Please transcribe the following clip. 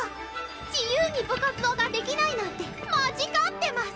自由に部活動ができないなんて間違ってマス！